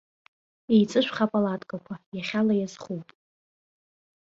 Еиҵышәх апалаткақәа, иахьала иазхоуп.